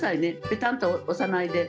ペタンと押さないで。